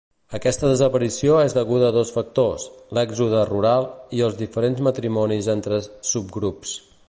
Aquesta desaparició és deguda a dos factors, l'èxode rural i els diferents matrimonis entra subgrups.